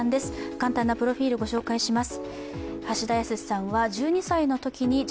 簡単なプロフィールご紹介します。